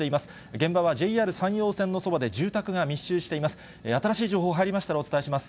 現場はＪＲ山陽線のそばで住宅が密集しています。